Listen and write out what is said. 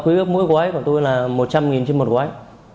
và quyết mối gói của tôi là một trăm linh trên một gói